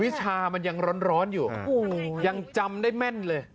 วิชามันยังร้อนอยู่ยังจำได้แม่นเลย